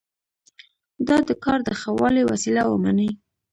دا د کار د ښه والي وسیله ومني.